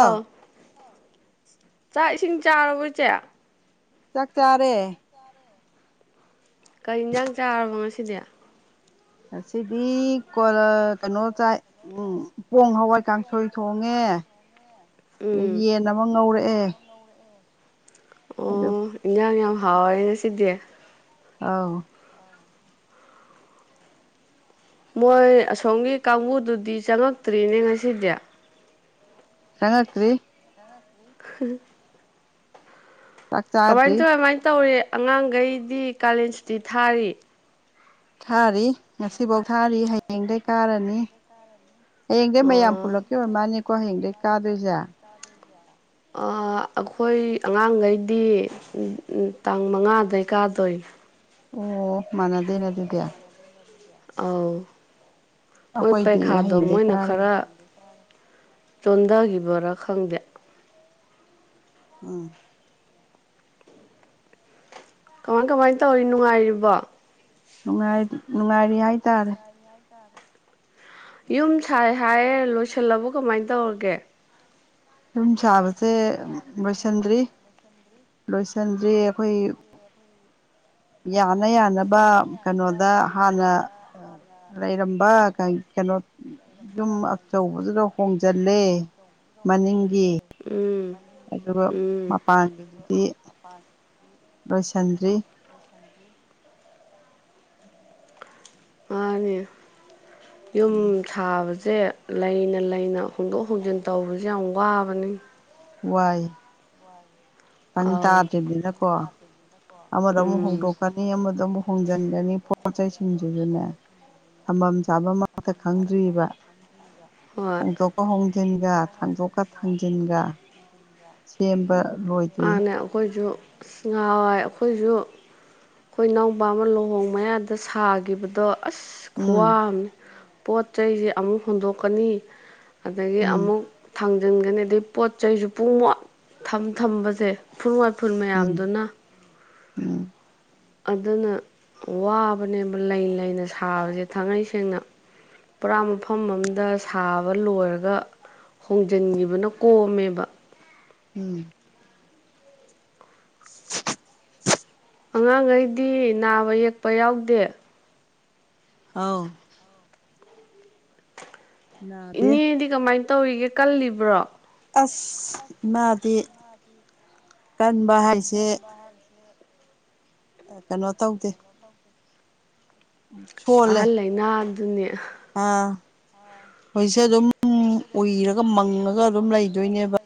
ꯑꯥꯎ ꯆꯥꯛ ꯏꯁꯤꯡ ꯆꯥꯔꯕꯣꯆꯦ ꯆꯥꯛ ꯆꯥꯔꯦ ꯀꯩ ꯌꯦꯟꯖꯥꯡ ꯆꯥꯔꯕ ꯉꯁꯤꯗꯤ ꯉꯁꯤꯗꯤ ꯀꯣꯂ ꯀꯩꯅꯣ ꯆꯥꯏ ꯎꯝ ꯄꯣꯡ ꯍꯋꯥꯏ ꯀꯥꯡꯁꯣꯏ ꯊꯣꯡꯉꯦ ꯑꯗ ꯎꯝ ꯌꯦꯟ ꯑꯃ ꯉꯧꯔꯛꯑꯦ ꯑꯗꯨ ꯑꯣ ꯏꯟꯖꯥꯡ ꯌꯥꯝ ꯍꯥꯎꯋꯦ ꯉꯁꯤꯗꯤ ꯑꯥꯎ ꯃꯣꯏ ꯑꯁꯣꯝꯒꯤ ꯀꯥꯡꯕꯨꯗꯨꯗꯤ ꯆꯪꯉꯛꯇ꯭ꯔꯤꯅꯦ ꯉꯁꯤꯗꯤ ꯆꯪꯉꯥꯛꯇ꯭ꯔꯤ [unintelligible] ꯆꯥꯛ ꯀꯃꯥꯏ ꯆꯥꯗ꯭ꯔꯤ ꯇꯧ ꯀꯃꯥꯏ ꯇꯧꯔꯤ ꯑꯉꯥꯡꯒꯩꯗꯤ ꯀꯥꯂꯦꯟ ꯁꯨꯇꯤ ꯊꯥꯔꯤ ꯊꯥꯔꯤ ꯉꯁꯤꯐꯧ ꯊꯥꯔꯤ ꯍꯌꯦꯡꯗꯩ ꯀꯥꯔꯅꯤ ꯍꯌꯦꯡꯗꯩ ꯃꯌꯥꯝ ꯑꯣ ꯄꯨꯜꯂꯞꯀꯤ ꯑꯣꯏꯔ ꯃꯥꯜꯅꯤꯀꯣ ꯍꯌꯦꯡꯗꯩ ꯀꯥꯗꯣꯏꯁꯦ ꯑ ꯑꯩꯈꯣꯏ ꯑꯉꯥꯡꯒꯩꯗꯤ ꯇꯥꯡ ꯃꯉꯥꯗꯩ ꯀꯥꯗꯣꯏꯅꯦ ꯑꯣ ꯃꯥꯅꯗꯦꯅ ꯑꯗꯨꯗꯤ ꯑꯧ ꯃꯣꯏ ꯑꯩꯈꯣꯏꯗꯤ ꯄꯩꯈꯥꯗꯣ ꯍꯌꯦꯡꯗꯩ ꯃꯣꯏꯅ ꯀꯥꯔꯅꯤ ꯈꯔ ꯆꯣꯟꯊꯒꯤꯕꯔꯥ ꯈꯪꯗꯦ ꯎꯝ ꯀꯃꯥꯏ ꯀꯃꯥꯏꯅ ꯇꯧꯔꯤ ꯅꯨꯡꯉꯥꯏꯔꯤꯕꯣ ꯅꯨꯡꯉꯥꯏꯔꯤ ꯅꯨꯡꯉꯥꯏꯔꯤ ꯍꯥꯏꯇꯥꯔꯦ ꯌꯨꯝ ꯁꯥꯏ ꯍꯥꯏꯌꯦ ꯂꯣꯏꯁꯤꯜꯂꯕꯣ ꯀꯃꯥꯏꯅ ꯇꯧꯔꯒꯦ ꯌꯨꯝ ꯁꯥꯕꯁꯦ ꯂꯣꯏꯁꯟꯗ꯭ꯔꯤ ꯂꯣꯏꯁꯟꯗ꯭ꯔꯤ ꯑꯩꯈꯣꯏ ꯌꯥꯅ ꯌꯥꯅꯕ ꯀꯩꯅꯣꯗ ꯍꯥꯟꯅ ꯂꯩꯔꯝꯕ ꯀꯩ ꯀꯩꯅꯣ ꯗꯨꯝ ꯑꯆꯧꯕꯗꯨꯗ ꯍꯣꯡꯖꯜꯂꯦ ꯎꯝ ꯑꯗꯨꯒ ꯃꯄꯥꯟꯒꯤꯗꯨꯗꯤ ꯃꯥꯟ ꯂꯣꯏꯁꯟꯗ꯭ꯔꯤ ꯃꯥꯅꯦ ꯌꯨꯝ ꯎꯝ ꯁꯥꯕꯖꯦ ꯂꯩꯅ ꯂꯩꯅ ꯍꯣꯡꯗꯣꯛ ꯍꯣꯡꯖꯤꯟ ꯇꯧꯕꯖꯦ ꯌꯥꯝ ꯋꯥꯕꯅꯤ ꯋꯥꯏ ꯇꯪ ꯑꯥꯎ ꯇꯥꯗ꯭ꯔꯤꯝꯅꯤꯅꯀꯣ ꯑꯃꯗ ꯑꯃꯨꯛ ꯎꯝ ꯍꯣꯡꯗꯣꯛꯀꯅꯤ ꯑꯃꯗ ꯑꯃꯨꯛ ꯍꯣꯡꯖꯤꯟꯒꯅꯤ ꯄꯣꯠꯆꯩꯁꯤꯡꯖꯤꯖꯨꯅꯦ ꯊꯝꯕꯝ ꯆꯥꯕꯝ ꯑꯝꯇ ꯈꯪꯗ꯭ꯔꯤꯕ ꯍꯣꯏ ꯍꯣꯡꯗꯣꯛꯀ ꯍꯣꯡꯖꯤꯟꯒ ꯊꯥꯡꯗꯣꯛꯒ ꯊꯥꯡꯖꯤꯟꯒ ꯁꯦꯝꯕ ꯂꯣꯏꯗ꯭ꯔꯤ ꯑꯩꯈꯣꯏꯖꯨ ꯅꯍꯥꯋꯥꯏ ꯑꯩꯈꯣꯏꯖꯨ ꯑꯩꯈꯣꯏ ꯏꯅꯥꯎꯄꯥ ꯑꯃ ꯂꯨꯍꯣꯡ ꯃꯌꯥꯗ ꯁꯥꯒꯤꯕꯗꯣ ꯑꯁ ꯈꯨꯋꯥ ꯎꯝ ꯑꯝꯅꯤ ꯄꯣꯠ ꯆꯩꯖꯦ ꯑꯃꯨꯛ ꯍꯨꯟꯗꯣꯛꯀꯅꯤ ꯑꯗꯒꯤ ꯎꯝ ꯑꯃꯨꯛ ꯊꯥꯡꯖꯟꯒꯅꯤ ꯑꯗꯩ ꯄꯣꯠ ꯆꯩꯖꯨ ꯄꯨꯡꯃꯣꯠ ꯊꯝ ꯊꯝꯕꯖꯦ ꯎꯐꯨꯜ ꯋꯥꯏꯐꯨꯜ ꯎꯝ ꯃꯌꯥꯝꯗꯨꯅ ꯎꯝ ꯑꯗꯨꯅ ꯋꯥꯕꯅꯦꯕ ꯂꯩ ꯂꯩꯅ ꯁꯥꯕꯖꯦ ꯊꯥꯡꯒꯩ ꯁꯦꯡꯅ ꯄꯨꯔꯥ ꯃꯐꯝ ꯑꯝꯗ ꯁꯥꯕ ꯂꯣꯏꯔꯒ ꯍꯣꯡꯖꯤꯟꯒꯤꯕꯅ ꯀꯣꯝꯃꯦꯕ ꯎꯝ [inaudible] ꯑꯉꯥꯡꯒꯩꯗꯤ ꯅꯥꯕ ꯌꯦꯛꯄ ꯌꯥꯎꯗꯦ ꯑꯧ ꯅꯥꯗꯦ ꯏꯅꯦꯗꯤ ꯀꯃꯥꯏ ꯇꯧꯔꯤꯒꯦ ꯀꯜꯂꯤꯕ꯭ꯔꯣ ꯑꯁ ꯏꯃꯥꯗꯤ ꯀꯟꯕ ꯍꯥꯏ ꯀꯟꯕ ꯍꯥꯏ ꯑ ꯀꯩꯅꯣ ꯇꯧꯗꯦ ꯁꯣꯜꯂꯦ ꯑꯍꯜ ꯂꯩꯅꯥ ꯑꯗꯨꯅꯦ ꯑꯥ ꯍꯧꯏꯁꯦ ꯑꯗꯨꯝ ꯎꯏꯔꯒ ꯃꯪꯉꯒ ꯑꯗꯨꯝ ꯂꯩꯗꯣꯏꯅꯦꯕ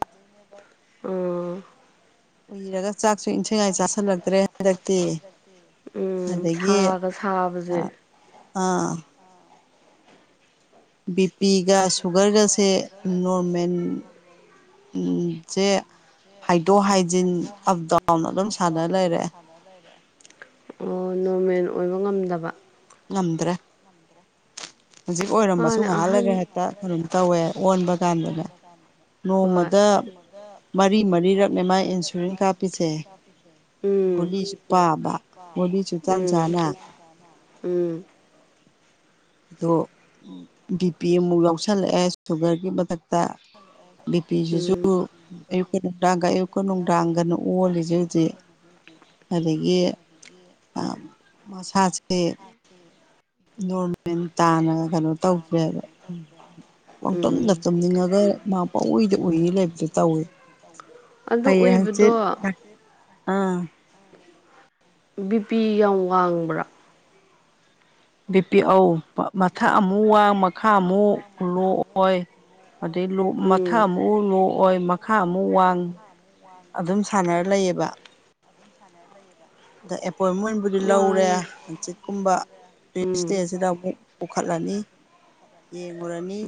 ꯑꯥ ꯎꯏꯔꯒ ꯆꯥꯛꯁꯨ ꯏꯟꯊꯤ ꯅꯨꯡꯉꯥꯏ ꯆꯥꯥꯁꯜꯂꯛꯇ꯭ꯔꯦ ꯍꯟꯗꯛꯇꯤ ꯎꯝ ꯑꯗꯒꯤ ꯁꯥꯒ ꯑꯥ ꯁꯥꯕꯁꯦ ꯑꯥ ꯕꯤꯄꯤꯒ ꯁꯨꯒꯔꯒꯁꯦ ꯅꯣꯔꯃꯦꯟ ꯖꯦ ꯍꯥꯏꯗꯣꯛ ꯍꯥꯏ ꯍꯥꯏꯗꯣꯛ ꯍꯥꯏꯖꯤꯟ ꯑꯞ ꯗꯥꯎꯟ ꯑꯗꯨꯝ ꯁꯥꯟꯅ ꯂꯩꯔꯦ ꯑꯣ ꯅꯣꯔꯃꯦꯟ ꯑꯣꯏꯕ ꯉꯝꯗꯕ ꯉꯝꯗ꯭ꯔꯦ ꯍꯧꯖꯤꯛ ꯑꯣꯏꯔꯝꯃꯁꯨ ꯃꯥꯅꯦ ꯉꯥꯏꯍꯥꯛ ꯑꯍꯟ ꯂꯩꯔꯒ ꯍꯦꯛꯇ ꯑꯗꯨꯝ ꯇꯧꯋꯦ ꯑꯣꯟꯕ ꯀꯥꯟꯗꯅꯦ ꯍꯣꯏ ꯅꯣꯡꯃꯗ ꯃꯔꯤ ꯃꯔꯤꯔꯛꯅꯦ ꯃꯥꯥꯏ ꯏꯟꯁꯨꯔꯤꯟ ꯀꯥꯞꯄꯤꯁꯦ ꯎꯝ ꯒꯨꯂꯤꯁꯨ ꯄꯥꯕ ꯒꯨꯂꯤꯁꯨ ꯆꯥꯟ ꯎꯝ ꯆꯥꯅ ꯎꯝ ꯑꯗꯣ ꯕꯤ ꯄꯤ ꯑꯃꯨꯛ ꯌꯥꯎꯁꯜꯂꯛꯑꯦ ꯁꯨꯒꯔꯒꯤ ꯃꯊꯛꯇ ꯕꯤꯄꯤꯁꯤꯁꯨ ꯎꯝ ꯑꯌꯨꯛꯀ ꯅꯨꯡꯗꯥꯡꯒ ꯑꯌꯨꯛꯀ ꯅꯨꯡꯗꯥꯡꯒꯅ ꯑꯣꯜꯂꯤꯁꯦ ꯍꯧꯖꯤꯛ ꯑꯗꯒꯤ ꯃꯁꯥꯁꯦ ꯅꯣꯃꯦ ꯇꯅ ꯀꯣ [unintelligible] ꯄꯥꯎꯇꯨꯝꯅ ꯎꯝ ꯇꯨꯝꯅꯤꯡꯉꯒ ꯃꯥ ꯄꯏꯗ ꯎꯔꯤ ꯂꯩꯕꯗ ꯇꯧꯋꯤ ꯑꯗꯨ ꯍꯌꯦ ꯍꯪꯆꯤꯠ ꯎꯏꯕꯗꯣ ꯑꯥ ꯕꯤꯄꯤ ꯌꯥꯝ ꯋꯥꯡꯕ꯭ꯔꯥ ꯕꯤ ꯄꯤ ꯑꯧ ꯃꯊꯛ ꯑꯃꯨꯛ ꯋꯥꯡ ꯃꯈꯥ ꯑꯃꯨꯛ ꯂꯣꯛꯑꯣꯏ ꯑꯗꯩ ꯃꯊꯛ ꯎꯝ ꯑꯃꯨꯛ ꯎ ꯂꯣꯛꯑꯣꯏ ꯃꯈꯥ ꯑꯃꯨꯛ ꯋꯥꯡ ꯑꯗꯨꯝ ꯁꯥꯟꯅꯔ ꯂꯩꯌꯦꯕ [unintelligible] ꯑꯗ ꯑꯦꯄꯣꯏꯟꯃꯦꯟꯕꯨꯗꯤ ꯂꯧꯔꯦ ꯋꯥꯡ ꯍꯥꯡꯆꯤꯛꯀꯨꯝꯕ ꯎꯝ ꯏꯁꯇꯦꯁꯤꯗ ꯑꯃꯨꯛ ꯀꯈꯠꯂꯅꯤ ꯌꯦꯡꯉꯨꯔꯅꯤ